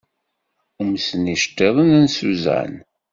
Umsen yiceṭṭiḍen n Susan.